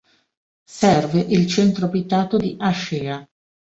Serve il centro abitato di Ascea.